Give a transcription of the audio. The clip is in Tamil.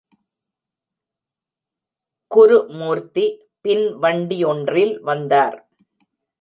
குருமூர்த்தி பின் வண்டி ஒன்றில் வந்தார்.